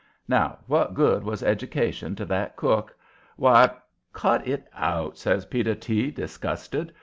Now, what good was education to that cook? Why " "Cut it out!" says Peter T., disgusted.